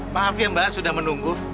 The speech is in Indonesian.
maaf ya mbak sudah menunggu